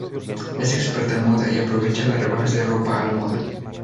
Es experta en moda y aprovecha las rebajas de ropa a la moda.